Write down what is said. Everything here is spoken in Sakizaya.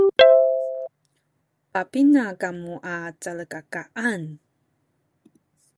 papina kamu a calkakaan?